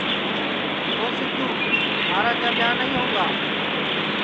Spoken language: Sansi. او سیدھو مھارا کیا ٻیاں نائی ہوئں گا